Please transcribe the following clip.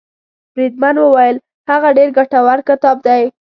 بریدمن وویل هغه ډېر ګټور کتاب دی.